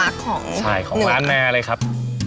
ของร้านแม่เลยครับ